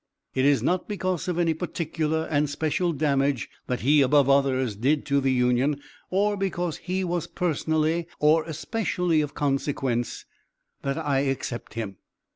It is not because of any particular and special damage that he, above others, did to the Union, or because he was personally or especially of consequence, that I except him.